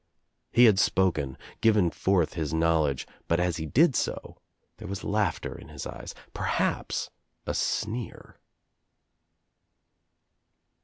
He ha4 spoken, given forth his knowledge, but as he did so there was laughter in his eyes, perhaps a; sneer.